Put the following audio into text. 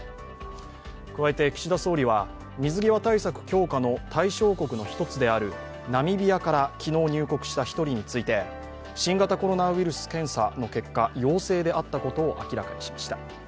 加えて岸田総理は水際対策強化の対象国の１つであるナミビアから昨日入国した１人について、新型コロナウイルス検査の結果陽性であったことを明らかにしました。